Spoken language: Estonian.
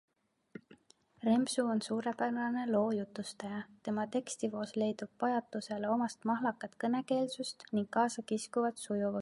Remsu on suurepärane loojutustaja, tema tekstivoos leidub pajatusele omast mahlakat kõnekeelsust ning kaasakiskuvat sujuvust.